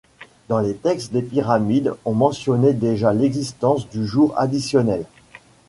Dans les textes des pyramides, on mentionnait déjà l'existence du jour additionnel.